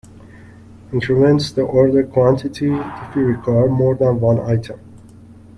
Increment the order quantity if you require more than one item.